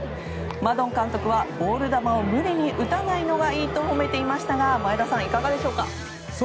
マドン監督はボール球を無理に打たないのがいいと褒めていましたが前田さん、いかがでしょうか。